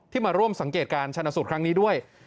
มาร่วมสังเกตการชนะสูตรครั้งนี้ด้วย